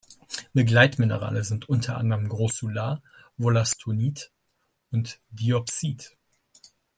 Begleitminerale sind unter anderem Grossular, Wollastonit und Diopsid.